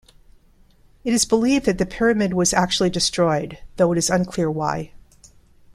It is believed that the pyramid was actually destroyed, though it is unclear why.